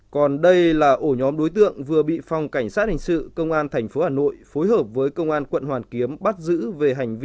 còn đây là ổ nhóm đối tượng vừa bị phòng cảnh sát hình sự công an thành phố hà nội phối hợp với công an